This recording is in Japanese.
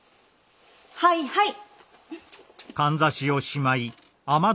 はいはい。